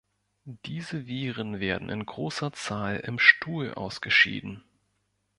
Diese Viren werden in großer Zahl im Stuhl ausgeschieden.